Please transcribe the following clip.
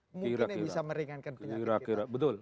mungkin yang bisa meringankan penyakit kita